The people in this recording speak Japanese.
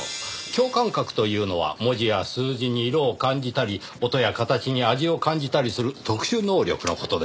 共感覚というのは文字や数字に色を感じたり音や形に味を感じたりする特殊能力の事です。